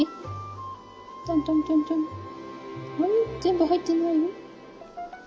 全部入ってないよ。